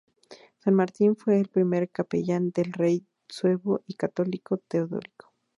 San Martín fue el primer capellán del rey suevo y católico Teodorico.